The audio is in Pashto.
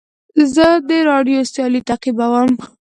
زه د راډیو سیالۍ تعقیبوم.